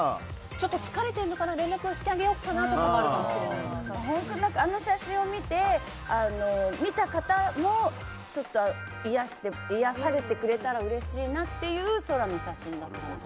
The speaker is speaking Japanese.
ちょっと疲れてるのかな連絡してあげようかなとかも本当、あの写真を見た方もちょっと癒やされてくれたらうれしいなっていう空の写真だったの。